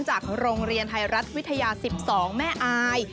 จากโรงเรียนไทยรัฐวิทยา๑๒แม่อาย